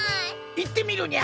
言ってみるにゃ！